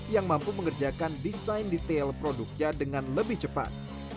yang mampu mengerjakan desain detail produknya dengan lebih cepat